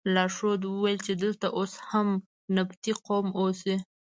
لارښود وویل چې دلته اوس هم نبطي قوم اوسي.